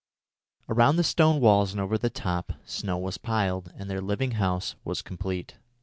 Around the stone walls and over the top, snow was piled, and their living house was complete.